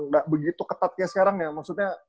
gak begitu ketat kayak sekarang ya maksudnya